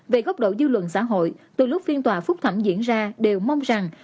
về góc độ dư luận xã hội từ lúc phiên tòa phúc thẩm diễn ra đều mong rằng